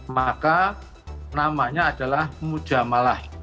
maka namanya adalah muja'at